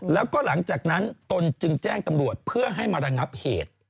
แล้วก็หลังจากนั้นตนจึงแจ้งตำรวจเพื่อให้มาระงับเหตุ